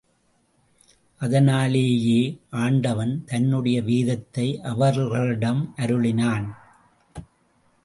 அதனாலேயே ஆண்டவன் தன்னுடைய வேதத்தை அவர்களிடம் அருளினான்.